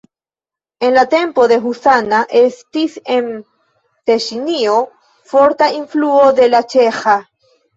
En la tempo de husana estis en Teŝinio forta influo de la ĉeĥa.